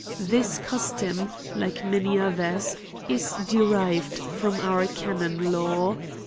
This custom, like many others, is derived from our canon law ;* Cod.